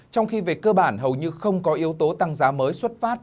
trong khi về cơ bản hầu như không có yếu tố tăng giá mới xuất phát